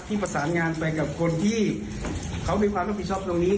ประสานงานไปกับคนที่เขามีความรับผิดชอบตรงนี้